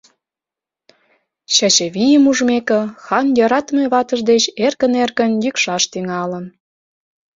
Чачавийым ужмеке, хан йӧратыме ватыж деч эркын-эркын йӱкшаш тӱҥалын.